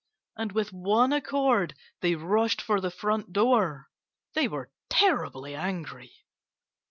And with one accord they rushed for the front door. They were terribly angry.